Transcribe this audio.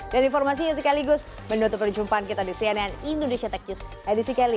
dan informasinya sekaligus menutup perjumpaan kita di cnn indonesia tech news edisi ke satu